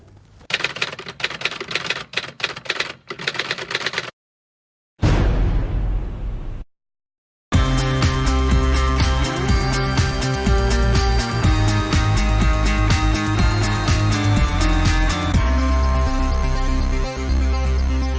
โปรดติดตามตอนต่อไป